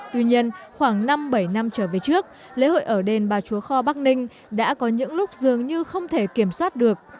tuy nhiên khoảng năm bảy năm trở về trước lễ hội ở đền bà chúa kho bắc ninh đã có những lúc dường như không thể kiểm soát được